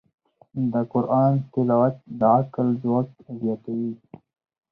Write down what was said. د قرآن تلاوت د عقل ځواک زیاتوي.